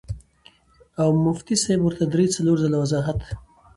او مفتي صېب ورته درې څلور ځله وضاحت